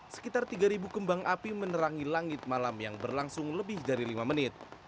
sekitar tiga kembang api menerangi langit malam yang berlangsung lebih dari lima menit